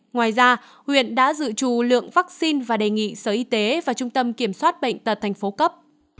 ngoài ra huyện đã dự trù lượng vaccine và đề nghị sở y tế và trung tâm kiểm soát bệnh tật thành phố cấp